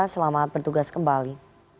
selamat bertugas kembali